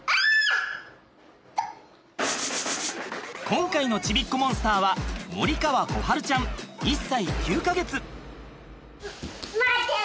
今回のちびっこモンスターは森川心晴ちゃん１歳９か月。